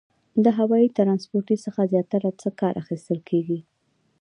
د هوایي ترانسپورتي څخه زیاتره څه کار اخیستل کیږي؟